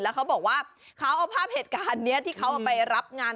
เขาบอกว่าเขาเอาภาพเหตุการณ์นี้ที่เขาเอาไปรับงาน